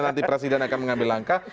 nanti presiden akan mengambil langkah